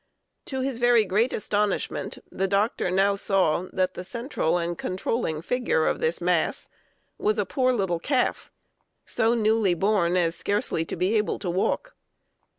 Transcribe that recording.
To his very great astonishment, the doctor now saw that the central and controlling figure of this mass was a poor little calf so newly born as scarcely to be able to walk.